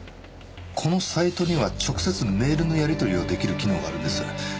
このサイトには直接メールのやり取りを出来る機能があるんです。